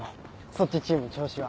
そっちチーム調子は。